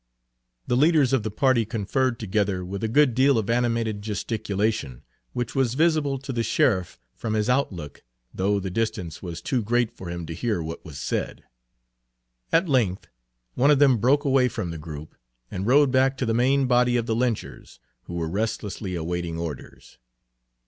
The leaders of the party conferred together with a good deal of animated gesticulation, which was visible to the sheriff from his outlook, Page 79 though the distance was too great for him to hear what was said. At length one of them broke away from the group, and rode back to the main body of the lynchers, who were restlessly awaiting orders.